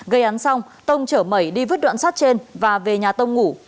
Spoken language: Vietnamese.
gây án xong tông chở mẩy đi vứt đoạn sát trên và về nhà tông ngủ